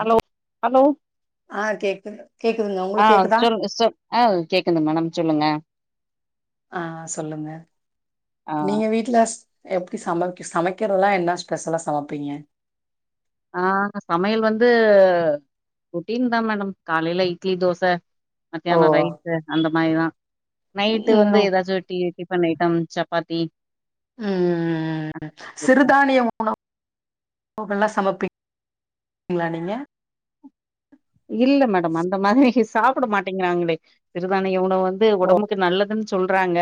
Hello hello ஆ கேக்குது கேக்குதுங்க ஆ உங்களுக்கு கேக்குதா சொல்லுங்க சொல் ஆ கேக்குது மேடம் சொல்லுங்க ஆ சொல்லுங்க ஆ நீங்க வீட்ல எப்டி சமைக் சமைக்கிறதுலா என்ன ஸ்பெஷலா சமப்பீங்க ஆ சமையல் வந்து ரொட்டீன் தா மேடம் காலேல இட்லி தோச ஓ மத்தியானோ ரைஸ் அந்த மாதிதா நைட்டு வந்து ம் ஏதாச்சு tea tiffin item chapati ஆ சிறுதானிய உணவு ல்லா சமப்பீங்களா நீங்க இல்ல மேடம் அந்த மாதிரி சாப்ட மாட்டேங்கிறாங்களே சிறு தானிய உணவு வந் து ஓ உடம்புக்கு நல்லதுன்னு சொல்றாங்க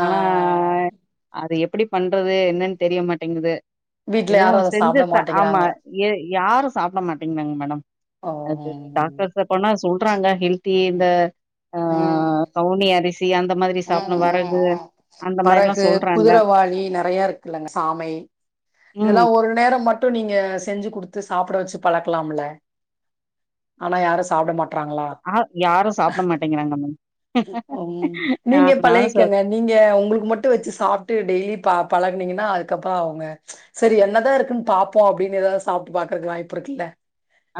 ஆ ஆனா ஆ அது எப்டி பண்றது என்னன்னு தெரியமாட்டேங்குது வீட்ல எதுவு யாரு அத செஞ்சி சாப்ட சா ஆமா மாட்டேங்கிறாங்க யா யாரு சாப்ட மாட்டேங்கிறாகாங்க மேடம் ஓ அது ம் டாக்டர்ஸ்ட்ட போனா சொல்றாங்க ஹெல்த் தி இந்த ஆ கவுனி அரிசி அந்த மாதிரி ஆ சாப்டணு ஆ வரகு ஆ அந்த மாரிலா வரகு சொல்றாங்க குதிரவாளி நெறையா இருக்குல்லங்க சாமை இதெல்லா ம் ஒரு நேரோ மட்டு நீங்க செஞ்சி குடுத்து சாப்ட வச்சி பழக்கலாம்ல ஆனா யாரு சாப்ட மாட் ஆ யாரு சாப்ட மாட்டேங்கிறாங்க மேம் ம் ஆ நீங்க நானு சொ பழகிக்கங்க நீங்க உங்களுக்கு மட்டு வச்சி சாப்ட்டு டெய்லி பாப் பழகுனீங்கன்னா அதுக்கப்பறோ அவுங்க செரி என்னதா இருக்குன்னு பாப்போ அப்டின்னு ஏதாவது சாப்ட்டு பாக்குறக்கு வாய்ப்பு இருக்குல்ல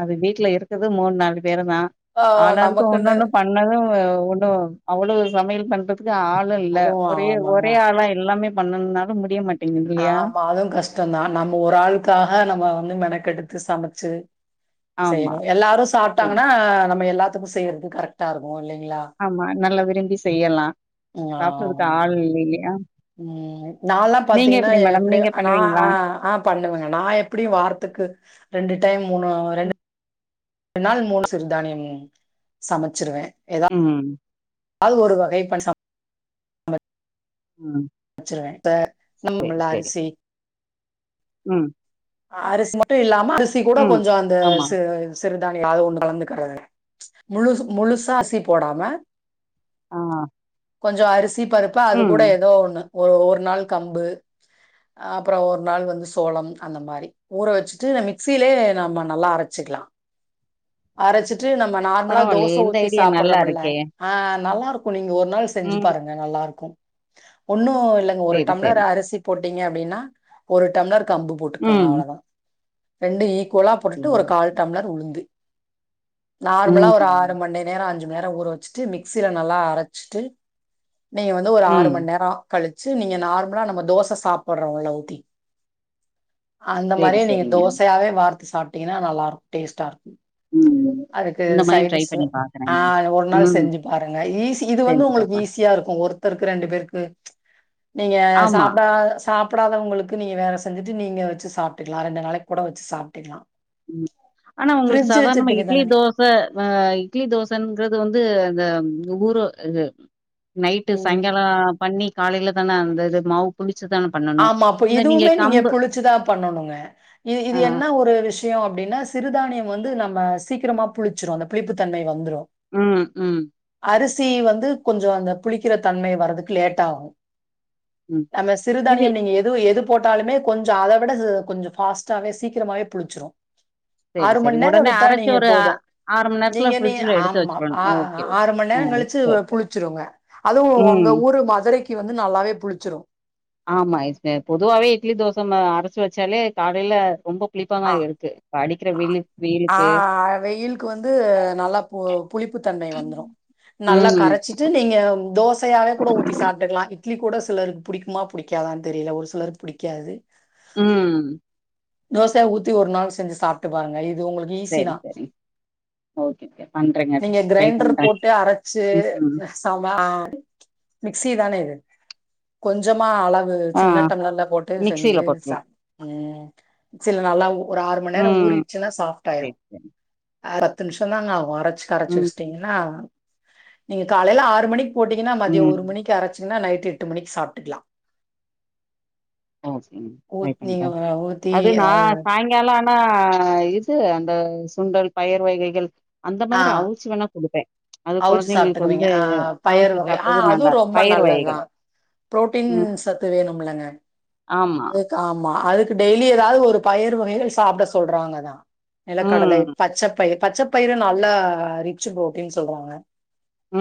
அது வீட்ல இருக்குது மூணு நாலு பேரு தா ஆ ஆளாளாக்கு நமக்குன்னு ஒன்னொண்ணு பண்ணது ஒண்ணு அவ்ளோ சமையல் பண்றதுக் கு ஆளு இல்ல அதுவும் ஒரே ஆமாங்க. ஒரே ஆளா எல்லாமே பண்ணன்னுன்னாலு முடிய மாட் ஆமா அதுவு கஷ்டந்தா நம்ம ஒரு ஆளுக்காக நம்ம வந்து மெனக்கெடுத்து சமைச்சி ஆமா செய்யணு எல்லாரு சேரி சாப்ட்டாங்கன்னா நம்ம எல்லாத்துக்கு செய்றது கரெக்டா இருக்கு இல்லைங்க ஆமா நல்லா விரும்பி செய்யலா ம் சாப்டுறதுக்கு ஆமாங்க. ஆள் இல்லலையே ம் நால்லா பாத்திங்கன்னா எ மேடம் எப்டியு நீங்க நா பண்ணுவீங்களா ஆ ஆ பண்ணுவங்க நா எப்டியு வாரத்துக் கு ரண்டு டைம் மூணு ரண் ம் நாள் மூணு சிறுதானியம் சமச்சிருவே ம் அது ஒரு வகை பண்ட ம் ச்சிருவே இப்ப செரி [inaudible] செரி அரிசி ம் அரிசி மட்டு இல்லாம அரிசி கூட ம் கொஞ்சோ அந்த ஆமா ச ச றுதானியோ அது ஒன்னு கலந்துகறது முழு முழுசா அசி போடாம ஆ அ கொஞ்சோ அரிசி பருப்பு அது கூட எதோ ஒன்னு ஒ ஒரு நாள் கம்பு அ அப்புறோ ஒரு நாள் வந்து சோளம் அந்த மாரி ஊற வெச்சிட்டு த மிக்சிலே நம்ம நல்லா அரச்சிக்லா அரச்சி ச்சு நம்ம நார்மலா தோச பரவாயில்லயே இந்த ஊத்தி ஐடியா நல்லா சாப்பட்றமில்ல இருக்கே அ நல்லாருக்கு நீங்க ஒ ருநாள் செஞ்சு ம் பாருங்க நல்லாருக்கு ஒன்னு இல்லங் ஒரு செரி டம்ளர் செரி அரிசி போ டிங்க அப்டினா ஒரு டம்ளர் கம்பு போட்டுக்கங்க ம் அவ்ளதா ரெண்டு ஈ கொழா போட்டுட்டு ஒரு ம் கால் டம்ளர் உளுந்து நார்மலா ஒரு ஆறு மணி நேரோ அஞ்சு மநேரோ ஊற வெச்சிட்டு மிக்சில நல்லா அரச்சிட்டு நீங்க வந்து ஒரு ஆறு ம் மண் நேரோ கழி ச்சு நீங்க நார்மலா நம்ம தோச சாப்பட்றோ இல்ல ஊத்தி அந்த செரி மாரியே நீங்க செரிங்க தோசையாவே வார்த்து சாப்ட்டிங்கனா நல்லாரு டேஸ்ட்டா இருக்கு ம் ம் அதுக்கு இந்த மாரி ட்ரை சைடிஸ்ஸு பண்ணி ஆ பாக்குறேங்க ஒரு நாள் ம் செஞ்சு பாருங்க ஈசி இது வந்து செஞ்சு உங்குளுக்கு பாக்கலா ஈஸியா இருக்கு ஒருத்தருக்கு ரெண்டு பேருக் ம் நீங்க ஆமா சாப்டா சாப்படாதவங்குளுக்கு நீங்க வேற செஞ்சுட்டு நீங்க ச்சு சாப்ட்டுக்லா ரண்டு நாளைக் கூட வெச்சு சாப்ட்டுக்லா ம் ஆனா உங்குளுக்கு சாதார்ணமா இட்லி தானங்க? தோச அ இட்லி தோசன்ங்கறது வந்து அந்த ஊரு இது நைட்டு ம். சாயங்காலோ பண்ணி காலைல தான அந்த இது மாவு புளி ஆமா ப் இதுவுமே நீங்க புளிச்சுதா பண்ணணுங்க இ இது ஆ என்ன ஒரு விஷயோ அப்டின்னா சிறுதானியம் வந்து நம்ம சீக்கிரமா புளிச்சிரு அந்த புளிப்புத்தன்மை வந்துரு ம் ம் ச்சி வந்து கொஞ்சோ அந்த புளிக்கிற தன்மை வறதுக்கு லேட் ஆகு ம் அந்த சி இது றுதானியம் நீங்க எது எது போட்டாலுமே கொஞ்சோ அத விட து கொஞ்சொ ஃபாஸ்டாவே சீக்கிரமாவே புளிச்சிரு செரி ஆறு செரி மண் நேரோ உடனே விட்டா அரைச்சு நீங்க ஒரு அ போது ஆறு மண் நேரத்துல நீங்க நீ ஃப்ரிட்ஜ்ல எடுத்து ஆம்மா வச்சிரணு ஆ ஓகே ஓகே ஆறு மண் நே ஆ ரங் கழிச்சு சரி வ சரி புளிச்சிருங்க அதுவு ம் ஒங்க ஊரு மதுரைக்கி வந்து நல்லாவே புளிச்சிரு ஆமா இது பெ பொதுவாவே இட்லி தோச மாவ அரச்சு வெச்சாலே காலைல ரொம்ப புளிப்பாதா இருக்கு இப்ப அடிக்கிற வெயி அ வெயிலுக்கு ஆ வெயில்க்கு வந்து நல்லா பு புளிப்பு தன்மை வந்துரு நல்லா ம் கரச்சிட்டு நீங்க தோசையாவே கூட ஊத்தி சாப்ட்டுக்லா இட்லி கூட சிலருக்கு புடிக்குமா புடிக்காதான் தெரில ஒரு சிலருக் புடிக்காது ம் தோசையா ஊத்தி ஒரு நாள் செஞ்சு சாப்ட்டு பாருங்க இது உங்களுக்கு ஈசி சரி தா சரி ஓகே ஓகே பண்றேங்க நீங்க ட்ரை கிரைண்ட்ர் பண்றே போட்டு அரச்சு ம் அ சமா ஆ மிக்சி தான இது கொஞ்சமா அள வு ஆ சின்ன டம்ளர்ல போட்டு செஞ்சு மிக்சில ச போட்ருலா ம் சில் நல்லாவு ஒரு ஆறு மண் நேர ஊ ம் றிர்ச்சுனா சாஃப்ட் ஆயிரு சரி சரி [unintelligible] த்து நிம்ஷந் தாங்க ஆவு அரச்சு கரச்சு ம் வெச்ட்டீங்கன்னா நீங்க காலைல ஆறு மணி போட்டீங்கன்னா மதியோ ம் ஒரு மணிக்கி அரச்சிங்னா நைட்டு எட்டு மணிக் சாப்ட்டுக்லா ஊத்தி அது நா ஏதாவது சாய்ங்கால ஆனா இது அந்த சுண்டல் பயர் வகைகள் அந்த ஆ மாதிரி அவுச்சி வேணா குடுப்பே அது அவுச்சு கொழந்தைங்களுக்கு சாப்பிட்டுக்குவீங்க வந்து அ பயறு அவிச்சு வகை ஆ சாப்டறது அதுவு நல்லா ரொம்ப பயர் நல்லதுதா வகைகள் புரோட்டீன் ம் சத்து வேணும்லங்க ஆமா அதுக்கு ஆமா அதுக்கு டெய்லி ஏதாது ஒரு பயிறு வகைகள் சாப்ட சொல்றாங்கதா நிலக்கடலை ம் பச்சப்பயிறு பச்சப்பயிறு நல்லா ரிச்சு புரோட்டீன் சொல்றாங்க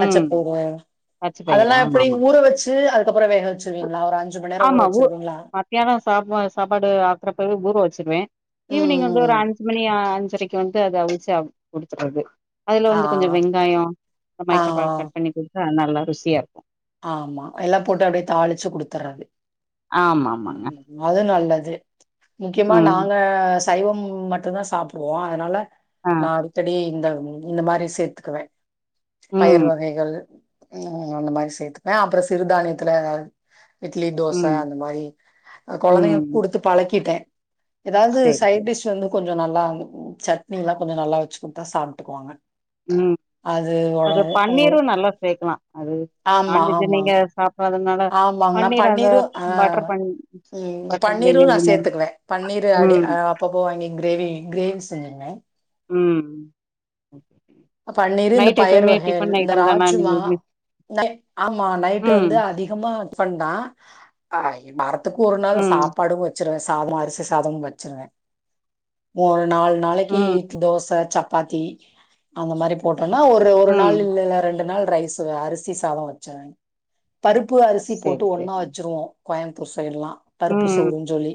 பச்ச போவ பச்ச பயிறு அதெல்லா ஆமா எப்டி ஆமா ஊற வச்சு அதுக்கப்பறோ வேக வச்சிருவீங்ளா ஒரு அஞ் ஆமா ஊ மதியானம் சாப்ப சாப்பாடு ஆக்றப்பவே ஊற வச்சிருவே ம், ஈவ்னிங் வந்து ம். ஒரு அஞ்சு மணி ஆ அஞ்சரைக்கு வந்து அத அவுச்சி அவருக்கு குடுத்துட்றது அதுல ஆ, வந்து கொஞ்ச வெங்காயோ அ ஆ, மய்க்கப கட் பண்ணி குடுத்தா அது நல்லா ருசியா இருக்கு ஆமா எல்லா போட்டு அப்டே தாளிச்சு குடுத்தட்றது ஆமா ம் ஆமாங்க ம் அது நல்ல து முக்கியமா ம் நாங்க சைவம் மட்டுநதா சாப்புடுவோ அதனால ஆ நா அடிக்கடி இந்த ம் இந்த மாரி சேத்துக்குவே பயிறு ம் வகைகள் ம் ம் அந்த மாரி சேத்துப்பே அப்ற சிறுதானியத்துல எதாவது இட்லி தோச ம் அந்த மாரி அ ம் கொழந்தைங்களுக் குடுத்து பழக்கிட்டே ஏதாது செரி சைட் செரி டிஷ் வந்து கொஞ்சோ கொஞ்சோ நல்லா ம் சட்னில்லா கொஞ்சோ நல்லா வச்சி குடுத்தா சாப்ட்டுக்குவாங்க ம் அது ஒட அது உங்க பனீர்ரு நல்லா சேக்கலா அது ஆமா நான்வெஜ் நீங்க ஆமாங் சாப் ஆமாங்க நா பனீர்ரு ஆ பட்டர் பன் ம் பட்டர் பனீர்ரு கிரேவி நா அது மாரி சேத்துக்குவே பனீர் ர்ரு அப்டியே ம் அ அப்பப்போ வாங்கி க்ரேவி க்ரேவி செஞ்சுடுவே ம் அ பனீர்ரு இந்த நைட் பயறு எப்பயுமே வகைகள் டிஃபன் இந்த ஐட்டம் தானா ராஜுமா உங்களுக்கு நை ஆமா நைட்டு ம் வந்து அதிகமா டிபன் தா ஆ வரத்துக்கு ஒரு நாள் ம் சாப்பாடு வச்சிருவே சாதோ அரிசி சாதமு வச்சிருவே ஒரு நால் நாளைக்கி ம் தோச ச பாத்தி அந்த மாரி போட்டோன்னா ஒரு ஒரு நாள் ம் இல்லல்ல ரெண்டு நாள் ரைஸ் அரிசி சாதோ வச்சிருவே பருப்பு அரிசி போட்டு செரி ஒன்னா செரி வச்சிருவோ கோயம்புத்தூர் சைட்லா பருப்பு ம் சோறுன்னு சொல்லி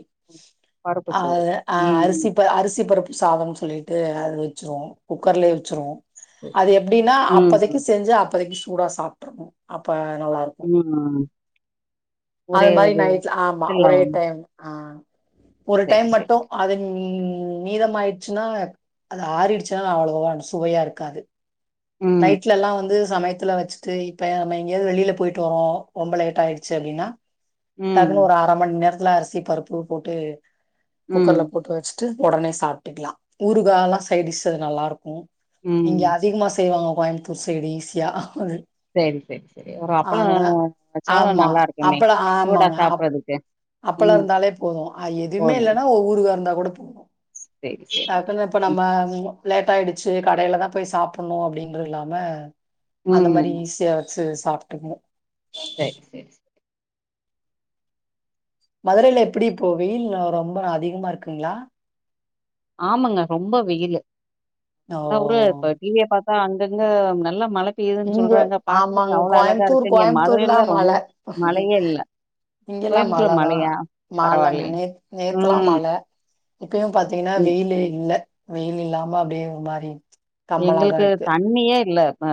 பருப்பு சோறு அது அ ம் அரிசிப்ப அரிசி பருப்பு சாதம்னு சொல்லிட்டு அது வச்சுருவோ குக்கர்லயே வச்சிருவோ ம் அது எப்டின்னா ம் அப்பதைக்கி செஞ்சு அப்பதைக்கி சூடா சாப்ட்டுருனு அப்ப நல்லா இருக்கு ம் அது ஒரே மாரி இது நைட்ல ஆமா விசில்ல ஒரே டைம் ஆ ஒரு டைம் செரி மட்டு செரி அதுங் ம் மீதம்மாயிச்சுன்னா அது ஆறிடுச்சினா அவ்ளோவா சுவையா இருக்காது ம் நைட்லல்லா வந்து சமயத்துல வச்சுட்டு இப்ப நம்ம எங்கயாவது வெளியில போயிட்டு வரோ ரொம்ப லேட் ஆயிடுச்சு அப்டின்னா ம் டக்குன்னு ஒரு அர மண்நேரத்துல அரிசி பருப்பு போட்டு ம் குக்கர்ல போட்டு வச்சு ட்டு உடனே சாப்ட்டுக்கலா ஊறுகால்லா சைட் டிஷ் அது நல்லாருக்கு ம் இங்க அதிகமா சா ப்டுவாங்க கோயம்புத்தூர் சைடு ஈசியா அது சேரி சேரி சேரி ஒரு அப்பள வச்சாலு ஆமா நல்லாருக்குமே சூடா சாப்புட்றதுக்கு அப்பளோ இருந்தாலே போது அ எதுமே இல்லன்னா ஊ ஊறுகா இருந்தா கூட போ சேரி டக்குன்னு இப்ப சேரிங்க நம்ம லேட்டாயிடுச்சு கடையில தா போய் சாப்புட்ணு அப்டின்ற இல்லாம அந்த ம் மாரி ஈஸியா வச்சு சாப்ட்டுக்குவோ சேரி சேரி சே மதுரையில எப்டி இப்போ வெயில் ரொம்ப அதிகமா இருக்குங்ளா ஆமாங்க ரொம்ப வெயிலு, ஓ! என்னா ஊரு இப்ப டிவிய பாத்தா அங்க ங்க நல்ல மழை பெய்யிதுனு இங்க சொல்றாங்க பாக்குறதுக்கு ஆமாங்க. அவ்ளோ அழகா கோயம்புத்தூர் இருக்கு இங்க மதுரைல கோயம்புத்தூர்லாம் மழ. ரொம்ப மழையே இல்ல இங்கெல்லாம் மழ கோயம்தூல தான். மழையா மழங்க பரவாலையே ம் இப்பயு பாத்தீங்னா எ வெயிலே இல்ல வெயில் இல்லாம அப்டே ஒரு மாரி கம்மலா தான் எங்களுக்கு இருக்கு. தண்ணியே இல்ல ப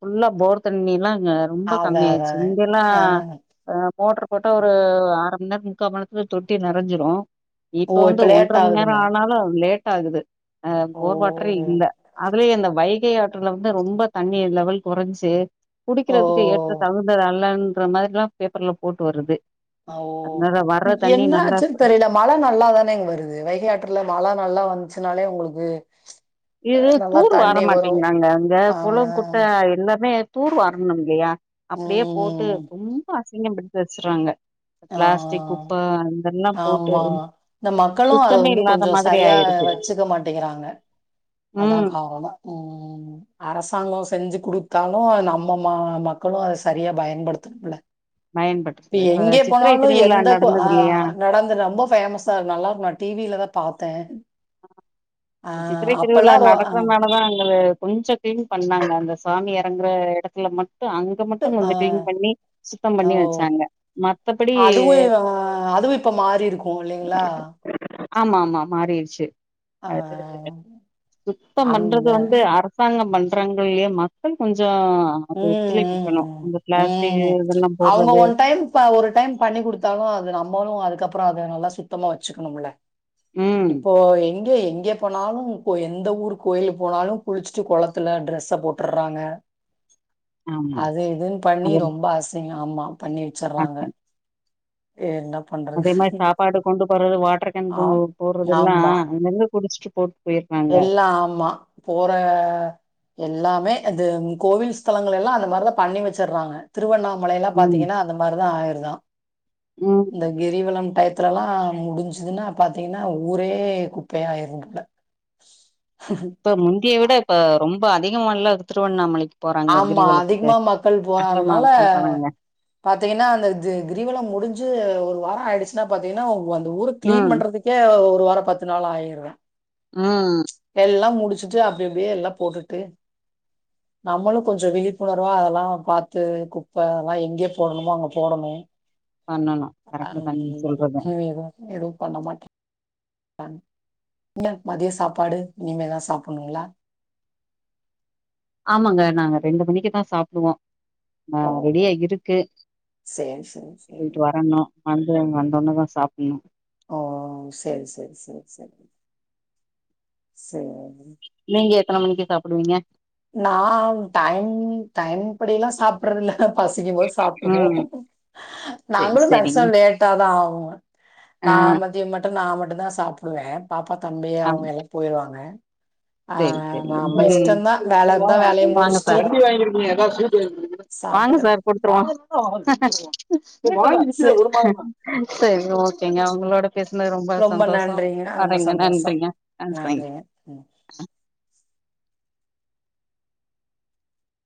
ஃபுல்லா போர் தண்ணிலா ங்க ரொம்ப கம்மி அதான் ஆயிருச்சு அதாங்க. இங்கெல்லா ஆ. அ மோட்டுர் போட்டா ஒரு அர மநேர்த் முக்கா மநேர்த்ல தொட்டி நெறஞ்சிரு ஓ! இப்ப வந்து ஒன்ற லேட் மண்நேர ஆகுதுங்க. ஆனாலு லேட் ஆகுது அ ஓ! போர் வாட்டரே இல்ல பே இந்த வைகை ஆற்றுல வந்து ரொம்ப தண்ணி லெவல் கொறைஞ்சி ஓ! குடிக்கிறதுக்கு ஏற்ற தகுந்தது அல்லன்ற மாதிரிலா பேப்பர்ல போட்டு வருது அதனால வர்ற அவ் தண்ணி என்ன நல்லா ஆச்சு தெரில மழ நல்லாதானேங் வருது வைகையாற்றுல மழ நல்லா வந் சினாலே உங்குளுக்கு இது தூர் வார மாட்டேங்கிறாங்க அங்க குளோ ஆ. குட்டே எல்லாமே தூர் வாரணும் இல்லயா அப்டியே போட்டு ம் ரொம்ப அசிங்கம் படித்து வச்சுறாங்க ஆ ப்ளாஸ்டிக் குப்ப அந் ஆமா இந்த மக்களு அத சுத்தமே வந்து இல்லாத கொஞ்சோ மாதிரி சரியா ஆயிருது வச்சுக்க மாட்டேங்கிறாங்க அதா ம் காரணோ ம் அர அரசாங்கோ செஞ்சு குடுத்தாலு நம்ம மா மக்களு அத சரியா பயன்படுத்துணுல இப்ப பயன்பட்டுச்சு எங்கே சித்திரை போனாலு திருவிழா எந்த கோ ஆ நடந்தது இல்லையா கடந்து ரொம்ப ஃபேமஸா நல்லாருக்கூ நா டி வி ல தா பாத்தே ஆ சித்திரை திருவிழா அப்பல்லா ரொ ஆ நடக்றனாலதா அங்க கொஞ்சோ க்ளீன் பண்ணாங்க அந்த சாமி எறங்குற எடத்துல மட் டு அங்க மட்டு ஆ கொஞ்சோ க்ளீன் பண்ணி சுத்தம் ஓ பண்ணி வச்சாங்க மத்தபடி துவு இப்ப மாறி இருக்கூ இல்லிங்ளா ஆமா ஆமா மாறிடுச்சு அது சுத்தம் அந் பண்றது வந்து அரசாங்கம் பண்றாங்களேயே மக்கள் கொஞ்சோ அது ம் ஒத்துழைப்பிக்கணு ம் அந்த ம் பிளாஸ்டிக் ம் இதெல்லா அவுங்க போடுறது ஒன் டைம் ப ஒரு டைம் பண்ணி கு குடுத்தாலூ அது நம்பளூ அதுக்கப் றோ அத நல்லா சுத்தமா வச்சுக்குணும்ல ம் இப்போ எங்கே எங்கே போனாலு போ எந்த ஊர் கோயிலு போனாலு குளிச்சுட்டு கொளத்துல ட்ரெஸ்ஸ போட்டுர்றாங்க ஆமா அது இதுன் பண்ணி ரொம்ப அசிங்கோ ஆமா பண்ணி வச்சுர்றாங்க அது என்னப் அதே மார் சாப்பாடு கொண்டு போறது வாட்டர் கேன் ஆ போ போட்றதெல்லா ஆமா அங்கங்க குடிச்ட்டு போட்டு போயிடுறாங்க எல்லா ஆமா போற எல்லாமே அது ம் ோவில் ஸ்தலங்கள எல்லா அந்த மாரிதா பண்ணி வச்சுர்றாங்க திருவண்ணா மலையெல்லா ம் பாத்தீங்னா அந்த மாரி தா ஆயிருதா இந்த ம் கிரிவலம் டைத் துலலா முடிஞ்சுதுனா பாத்தீங்னா ஊரே குப்பையா ஆயிரும் போல இப்ப முந்தியை விட இப்ப ரொம்ப அதிகமால்ல திருவண்ணாமலைக் ஆமா அதிகமா மக்கள் அதிகமா போனாதனால க போறாங்க பாத்தீங்கன்னா அந்த து கிரிவலம் முடிஞ்சு ஒரு வார ஆயிடுச்சுனா பாத்தீங்னா உ அந்த ஊரு க்ளீன் ம் பண்றதுக்கே ஒரு வாரோ பத்து நாள் ஆயிரு ம் சுட்டு அப்டி அப்டியே எல்லா போட்டுட்டு நம்மளூ கொஞ்சோ விழிப்புணர்வா அதெல்லா பாத்து குப்ப அதெல்லா எங்கே போடணுமோ அங்க போடணு பண்ணணு கரெக்ட் அந் தா நீங்க சொல்றது ஹீவிவோ எதுவ் பண்ண மாட்ற் அன் ன்ல மதிய சாப்பாடு இனிமேதா சாப்புட்ணூங்ளா ஆமாங்க நாங்க ரெண்டு மணிக்கு தா சாப்டுவோ நா ஓ ரெடியா இருக்கு சேரி சேரி சேரி போயிட்டு வரணு வந்து அவ்ங்க வந்தோன்னே தா சாப்பிட்ணூ ஓ செரி செரி செரி செரி சேரி நீங்க எத்தன மணிக்கு சாப்டுவீங்க நா டைம் டைம் படிெல்லா சாப்புறதுல பசிக்கும் போது சாப்ட்டுப்போ ம் சரி நாங்களு மேக்சிம சரிங்க லேட்டா தா ஆவு ஆ நா மதியம் மட்டு நா மட்டு தா சாப்டுவே பாப்பா தம்பி ம் ஆமா அவங்க எல்லா போயடுவாங்க ஆ அம்ம இஷ்டந்தா நாங்க வாங்க சாப்ட்டுக்கிறது. சார் குடுத்துருவோ சரி சரி ஓகேங்க உங்களோட பேசுனது ரொம்ப சந்தோஷ நன்றிங்க. ரொம்ப வறேங்க சந்தோஷம். நன்றிங்க ஆ தங்யூ நன்றிங்க. ம்.